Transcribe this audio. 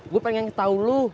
gue pengen tau lu